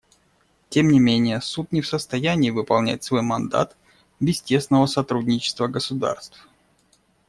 Тем не менее Суд не в состоянии выполнять свой мандат без тесного сотрудничества государств.